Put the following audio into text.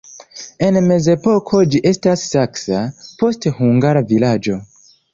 En mezepoko ĝi estis saksa, poste hungara vilaĝo.